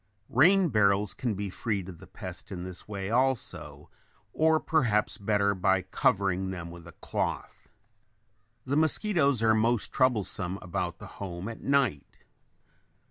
Rain barrels can be freed of the pest in this way also, or perhaps better by covering them with a cloth. The mosquitoes are most troublesome about the home at night.